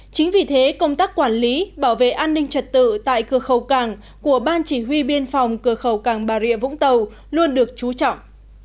chính vì thế công tác quản lý bảo vệ an ninh trật tự tại cửa khẩu càng của ban chỉ huy biên phòng cửa khẩu càng bà rịa vũng tàu luôn được chú trọng